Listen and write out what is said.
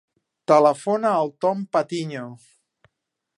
Telefona al Tom Patiño.